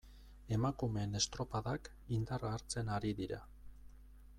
Emakumeen estropadak indarra hartzen ari dira.